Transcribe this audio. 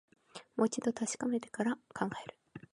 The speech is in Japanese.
もう一度ためしてから考える